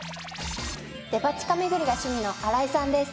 デパ地下巡りが趣味の荒井さんです。